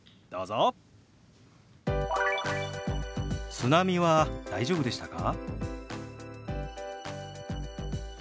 「津波は大丈夫でしたか？」。